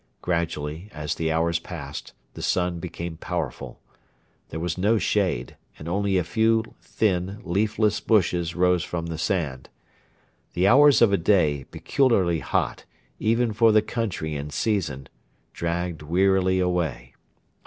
Gradually, as the hours passed, the sun became powerful. There was no shade, and only a few thin, leafless bushes rose from the sand. The hours of a day, peculiarly hot, even for the country and season, dragged wearily away.